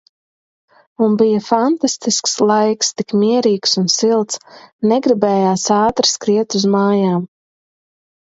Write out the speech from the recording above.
Un bija fantastisks laiks, tik mierīgs un silts. Negribējās ātri skriet uz mājām.